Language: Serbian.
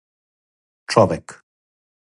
Човек